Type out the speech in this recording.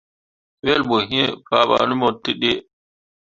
Wel ɓo iŋ fabaŋni mo teɓe.